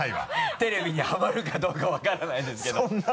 テレビにはまるかどうか分からないですけど